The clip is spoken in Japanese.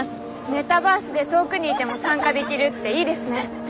メタバースで遠くにいても参加できるっていいですね。